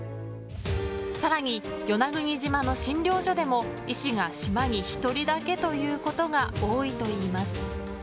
更に与那国島の診療所でも医師が島に１人だけということが多いといいます。